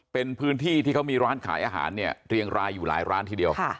เป็นพื้นที่ที่เขามีร้านขายอาหารเนี่ยเรียงรายอยู่หลายร้านทีเดียว